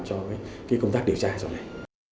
cho cái công tác điều tra sau này